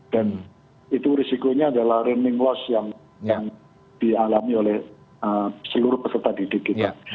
dan itu risikonya adalah loss yang dialami oleh seluruh peserta didik kita